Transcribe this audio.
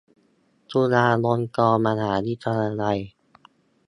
จุฬาลงกรณ์มหาวิทยาลัย